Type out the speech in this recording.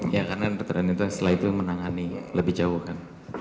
ya karena dokter anita setelah itu menangani lebih jauh kan